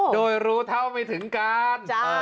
โดยรู้เท่าไม่ถึงการ